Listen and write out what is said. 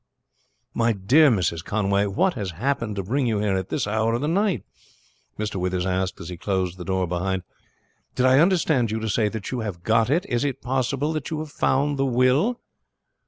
"My dear Mrs. Conway, what has happened to bring you here at this hour of the night?" Mr. Withers asked as he closed the door behind. "Did I understand you to say that you have got it? Is it possible that you have found the will?"